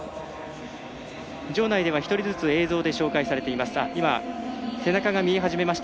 場内では１人ずつ映像で紹介されています。